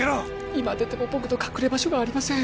今出ても僕の隠れ場所がありません